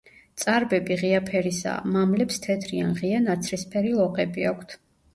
წარბები ღია ფერისაა, მამლებს თეთრი ან ღია ნაცრისფერი ლოყები აქვთ.